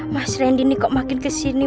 mas randy ini kok makin kesini